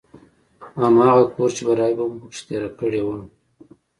هماغه کور چې برايي به مو په کښې تېره کړې وه.